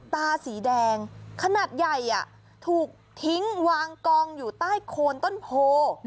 ตาสีแดงขนาดใหญ่ถูกทิ้งวางกองอยู่ใต้โคนต้นโพ